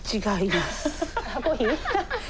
違います。